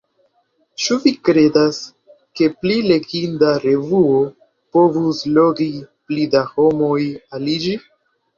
Ĉu vi kredas, ke pli leginda revuo povus logi pli da homoj aliĝi?